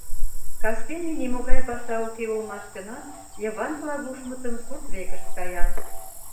Кастене нимогай паша уке улмаш гынат, Йыван Плагушмытын сурт векышт кая.